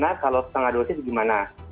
nah kalau setengah dosis gimana